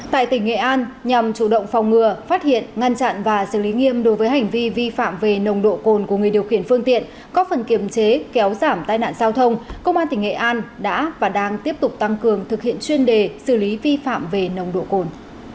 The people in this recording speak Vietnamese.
tại tỉnh nghệ an nhằm chủ động phòng ngừa phát hiện ngăn chặn và xử lý nghiêm đối với hành vi vi phạm về nồng độ cồn của người điều khiển phương tiện có phần kiềm chế kéo giảm tai nạn giao thông công an tỉnh nghệ an đã và đang tiếp tục tăng cường thực hiện chuyên đề xử lý vi phạm về nồng độ cồn